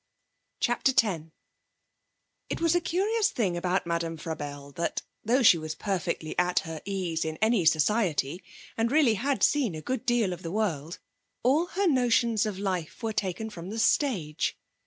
CHAPTER X It was a curious thing about Madame Frabelle that, though she was perfectly at ease in any society, and really had seen a good deal of the world, all her notions of life were taken from the stage.